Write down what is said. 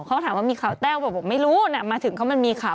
เขาถามว่ามีข่าวแต้วบอกไม่รู้นะมาถึงเขามันมีข่าว